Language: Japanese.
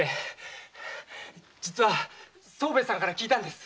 実は宗兵衛さんから聞いたんです。